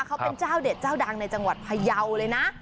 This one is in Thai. เขาเป็นเจ้าเด็ดเจ้าดังในจังหวัดพยาวเลยนะ